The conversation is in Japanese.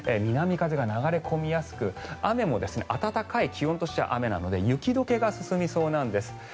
南風が流れ込みやすく雨も暖かい気温としては雨なので雪解けが進むそうなんです。